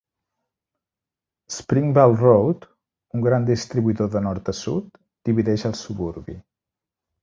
Springvale Road, un gran distribuïdor de nord a sud, divideix el suburbi.